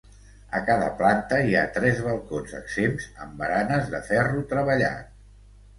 A cada planta hi ha tres balcons exempts amb baranes de ferro treballat.